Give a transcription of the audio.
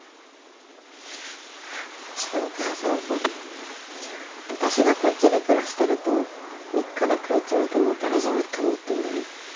うちのお母さんさ私がこっちで暮らしてると３日で食い詰めて野たれ死ぬって思ってんだよね。